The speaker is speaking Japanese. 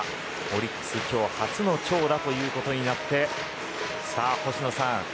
オリックス、今日初の長打ということになって星野さん。